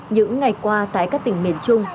những ngày qua tại các tỉnh miền trung